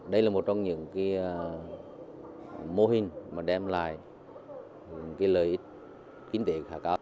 đây là một trong những mô hình mà đem lại lợi ích kinh tế khá cao